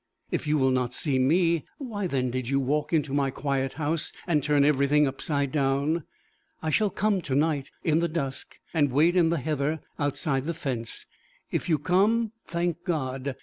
If you will not see me, why then did you walk into my quiet house, and turn everything upside down? I shall come to night, in the dusk, and wait in the heather, outside the fence. If you come, thank God!